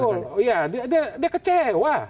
ya dia kecewa